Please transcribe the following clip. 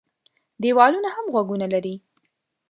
دېوالونه هم غوږونه لري.